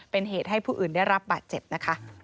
เป็นเหตุให้ผู้อื่นได้รับบาดเจ็บนะคะ